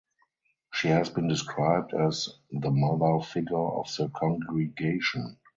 She has been described as "the mother figure of the congregation".